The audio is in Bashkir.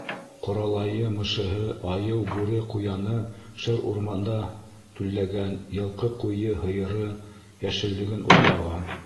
Ҡоралайы, мышыһы, айыу, бүре, ҡуяны шыр урманда түлләгән, йылҡы, ҡуйы, һыйыры йәшеллеген утлаған.